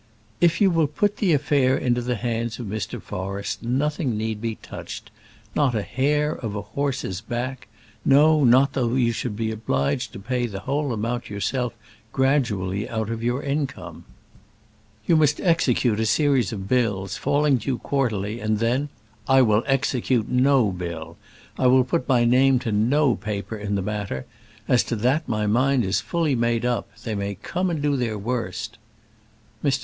"If you will put the affair into the hands of Mr. Forrest, nothing need be touched, not a hair of a horse's back; no, not though you should be obliged to pay the whole amount yourself, gradually out of your income. You must execute a series of bills, falling due quarterly, and then " "I will execute no bill, I will put my name to no paper in the matter; as to that my mind is fully made up. They may come and do their worst." Mr.